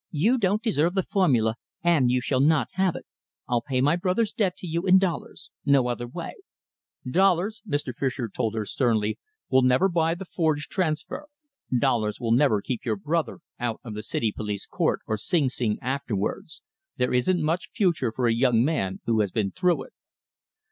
You don't deserve the formula, and you shall not have it. I'll pay my brother's debt to you in dollars no other way." "Dollars," Mr. Fischer told her sternly, "will never buy the forged transfer. Dollars will never keep your brother out of the city police court or Sing Sing afterwards. There isn't much future for a young man who has been through it."